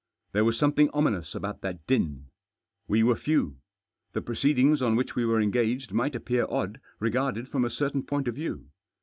There was something ominous about that din. We were few. The proceedings on which we were engaged might appear odd regarded from a certain point of view.